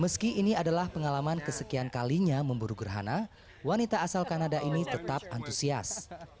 meski ini adalah pengalaman kesekian kalinya memburu gerhana wanita asal kanada ini tetap antusias